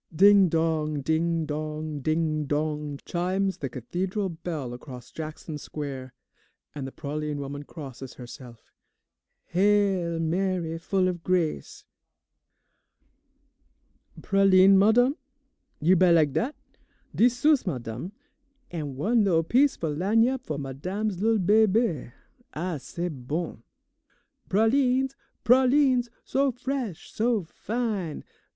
Ding dong, ding dong, ding dong, chimes the Cathedral bell across Jackson Square, and the praline woman crosses herself. "Hail, Mary, full of grace "Pralines, madame? You buy lak' dat? Dix sous, madame, an' one lil' piece fo' lagniappe fo' madame's lil' bebe. Ah, c'est bon! "Pralines, pralines, so fresh, so fine!